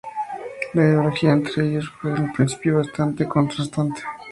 La ideología entre ellos fue en el principio bastante contrastante.